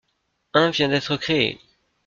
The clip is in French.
Un vient d'être créé.